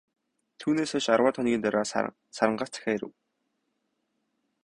Түүнээс хойш арваад хоногийн дараа, Сарангаас захиа ирэв.